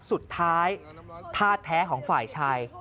สุดท้ายท่าแท้ของฝ่ายชาย